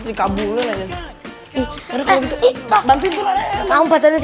nanti dikabulin aja